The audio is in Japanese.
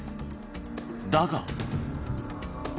だが。